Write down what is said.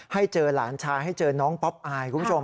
ให้เจอหลานชายให้เจอน้องป๊อปอายคุณผู้ชม